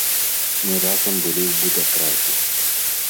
Мы разам былі ў будатрадзе.